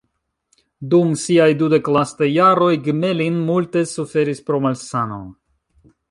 Dum siaj dudek lastaj jaroj Gmelin multe suferis pro malsano.